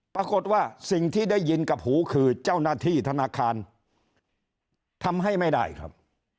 ปรากฏว่าสิ่งที่ได้ยินกับหูคือเจ้าหน้าที่ธนาคารทำให้ไม่ได้ครับ